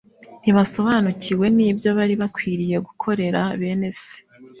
ntibasobanukiwe n'ibyo bari bakwiriye gukorera bene se.